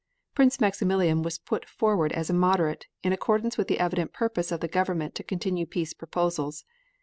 Prince Maximilian was put forward as a Moderate, in accordance with the evident purpose of the government to continue peace proposals.